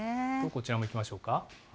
こちらもいきましょうか。